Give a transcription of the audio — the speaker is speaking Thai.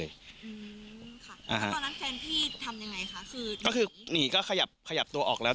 อืมค่ะแล้วตอนนั้นแฟนพี่ทำยังไงคะคือนี่ก็ขยับขยับตัวออกแล้ว